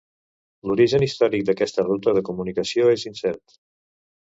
L'origen històric d'aquesta ruta de comunicació és incert.